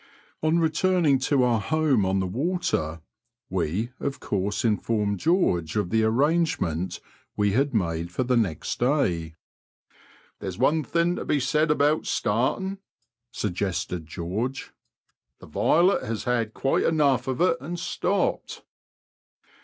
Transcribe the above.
On returning to our home on the water, we, of course,. informed George of the arrangement we had made for the next day. " There's one thing to be said about starting," suggested George ;" the Violet has had quite enough of it, and stopped."